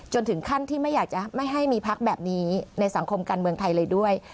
ถึงขั้นที่ไม่อยากจะไม่ให้มีพักแบบนี้ในสังคมการเมืองไทยเลยด้วย